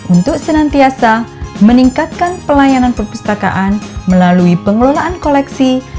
untuk senantiasa meningkatkan pelayanan perpustakaan melalui pengelolaan koleksi